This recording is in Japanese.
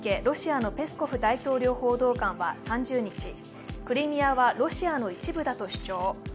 ロシアのペスコフ大統領報道官は３０日、クリミアはロシアの一部だと主張。